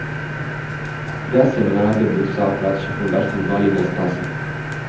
De asemenea, la debut s-a aflat și fundașul Vali Năstase.